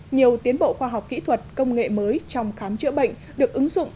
nhiều tiến bộ khoa học kỹ thuật công nghệ mới trong khám chữa bệnh được ứng dụng